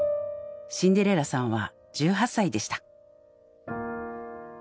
シンデレラさんは１８歳でした。